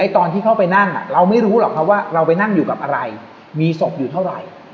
ตอนที่เข้าไปนั่งเราไม่รู้หรอกครับว่าเราไปนั่งอยู่กับอะไรมีศพอยู่เท่าไหร่